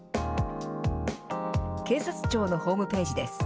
警察庁のホームページです。